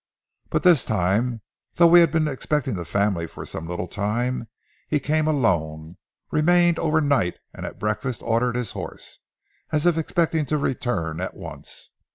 But this time, though we had been expecting the family for some little time, he came alone, remained over night, and at breakfast ordered his horse, as if expecting to return at once.